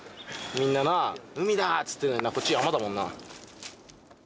みんななあ海だっつってんのになこっち山だもんな。